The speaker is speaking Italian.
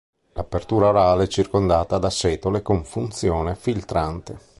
L'apertura orale è circondata da setole con funzione filtrante.